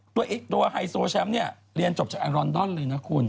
ตัวไฮโซแชมป์เนี่ยเรียนจบจากไอรอนดอนเลยนะคุณ